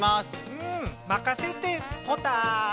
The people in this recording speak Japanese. うんまかせてポタ。